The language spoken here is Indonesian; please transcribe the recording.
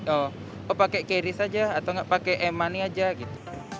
oh pakai qris aja atau pakai e money aja gitu